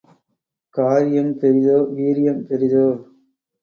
காரியம் பெரிதோ வீரியம் பெரிதோ?